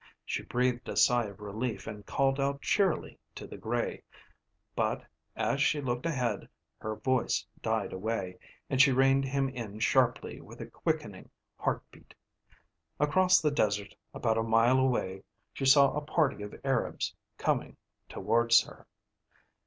She breathed a sigh of relief and called out cheerily to the grey, but, as she looked ahead, her voice died away, and she reined him in sharply with a quickening heart beat. Across the desert about a mile away she saw a party of Arabs coming towards her.